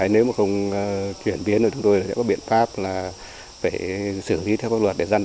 nếu mà không chuyển biến thì chúng tôi sẽ có biện pháp là phải xử lý theo các luật để dân